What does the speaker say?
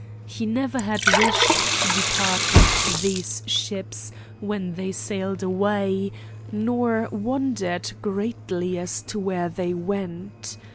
He never had wished to depart with these ships when they sailed away, nor wondered greatly as to where they went.